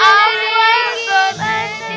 amalia gilirin di bawah